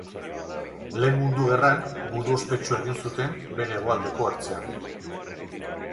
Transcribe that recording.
Lehen Mundu Gerran gudu ospetsua egin zuten bere hegoaldeko ertzean.